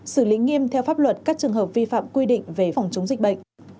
xử lý nghiêm theo pháp luật các trường hợp vi phạm quy định về phòng chống dịch bệnh